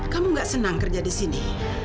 kamu gak senang kerja disini